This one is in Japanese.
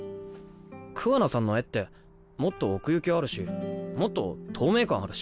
桑名さんの絵ってもっと奥行きあるしもっと透明感あるし。